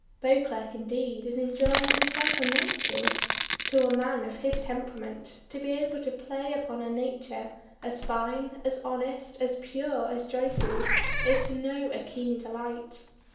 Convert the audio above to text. Beauclerk indeed is enjoying himself immensely. To a man of his temperament to be able to play upon a nature as fine, as honest, as pure as Joyce's is to know a keen delight.